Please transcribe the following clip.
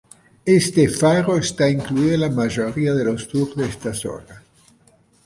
Este faro está incluido en la mayoría de los tour de esta zona.